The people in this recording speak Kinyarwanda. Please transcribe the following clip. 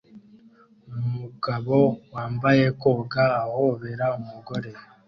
Umugabo wambaye koga ahobera umugore